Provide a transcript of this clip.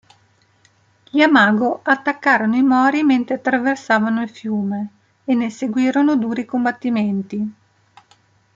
Gli Amago attaccarono i Mōri mentre attraversavano il fiume e ne seguirono duri combattimenti.